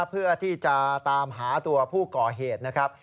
เพื่อที่จะตามหาตัวผู้ก่อเหตุนะครับ